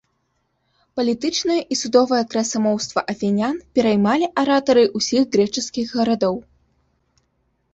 Палітычнае і судовае красамоўства афінян пераймалі аратары ўсіх грэчаскіх гарадоў.